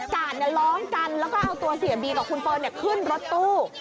ร้องกันแล้วก็เอาตัวเสียบีกับคุณเฟิร์นขึ้นรถตู้